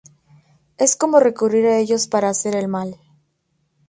Es como recurrir a ellos para hacer el mal"".